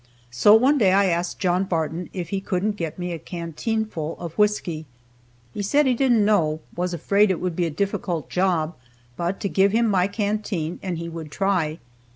So one day I asked John Barton if he couldn't get me a canteenful of whisky. He said he didn't know, was afraid it would be a difficult job, but to give him my canteen, and he would try.